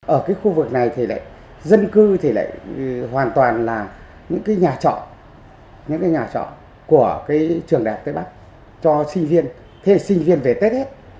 ở cái khu vực này thì lại dân cư thì lại hoàn toàn là những cái nhà trọ những cái nhà trọ của cái trường đại học tây bắc cho sinh viên thế hệ sinh viên về tết hết